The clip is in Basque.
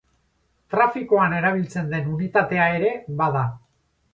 Trafikoan erabiltzen den unitatea ere bada.